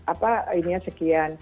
apa ininya sekian